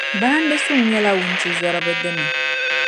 Bahindisuŋ nyɛla wuntizɔriba dini.